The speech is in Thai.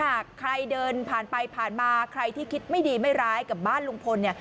หากใครเดินผ่านไปผ่านมาใครที่คิดไม่ดีไม่ร้ายกับบ้านลุงพลเนี่ย